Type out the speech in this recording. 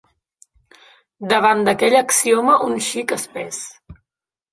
Davant d'aquell axioma un xic espès